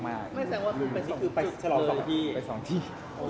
ไม่แสดงว่าคุณไปที่นี่คือไปชะลอง๒ที่